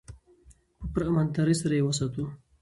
په پوره امانتدارۍ سره یې وساتو.